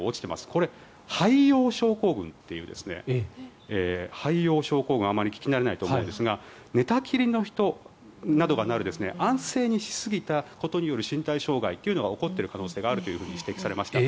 これ、廃用症候群っていうあまり聞き慣れないと思うんですが寝たきりの人などがなる安静にしすぎたことによる身体障害というのが起こっている可能性があると指摘されました。